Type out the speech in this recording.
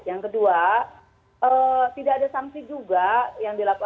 yang kedua tidak ada sanksi juga yang dilakukan